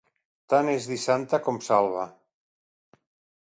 Tant és dir santa com salve.